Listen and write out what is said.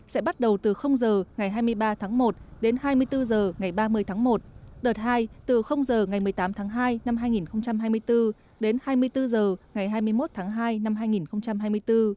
sẽ bắt đầu từ h ngày hai mươi ba tháng một đến hai mươi bốn h ngày ba mươi tháng một đợt hai từ h ngày một mươi tám tháng hai năm hai nghìn hai mươi bốn đến hai mươi bốn h ngày hai mươi một tháng hai năm hai nghìn hai mươi bốn